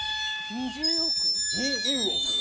２０億？